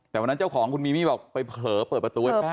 แต่วันนั้นเจ้าของคุณมีมี่บอกไปเผลอเปิดประตูให้ป้า